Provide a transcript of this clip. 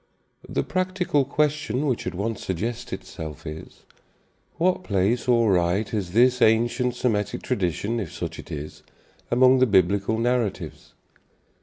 The practical question which at once suggests itself is, What place or right has this ancient Semitic tradition, if such it is, among the Biblical narratives?